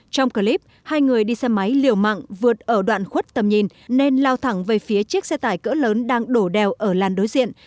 trong clip hai người đi xe máy liều mạng vượt ở đoạn khuất tầm nhìn nên lao thẳng về phía chiếc xe tải cỡ lớn đang đổ đèo ở làn đối diện